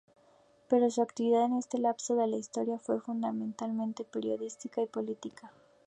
Pero su actividad en este lapso de la historia fue fundamentalmente periodística y política.